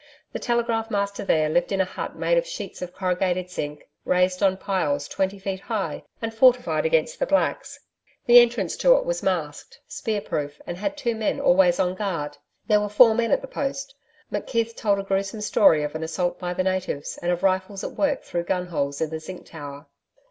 The telegraph master there lived in a hut made of sheets of corrugated zinc, raised on piles twenty feet high and fortified against the Blacks. The entrance to it was masked, spear proof and had two men always on guard there were four men at the post. McKeith told a gruesome story of an assault by the natives, and of rifles at work through gun holes in the zinc tower.